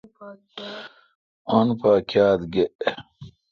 اں پان کیا تھ گے°